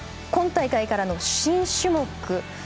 今大会からの新種目。